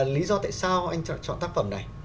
lý do tại sao anh chọn tác phẩm này